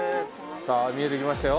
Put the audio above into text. さあ見えてきましたよ。